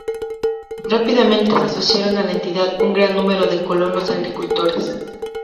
Rápidamente se asociaron a la entidad un gran número de colonos agricultores.